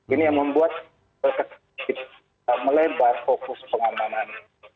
ini yang membuat kita kecil kita melebar fokus pengamanan